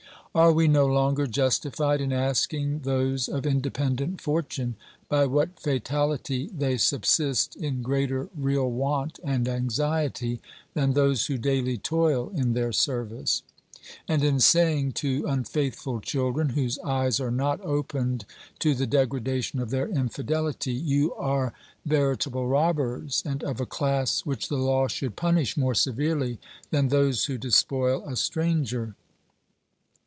Are we no longer justified in asking those of independent fortune by what fatality they subsist in greater real want and anxiety than those who daily toil in their service? And in saying to unfaithful children whose eyes are not opened to the degradation of their infidelity : You are veri table robbers, and of a class which the law should punish more severely than those who despoil a stranger.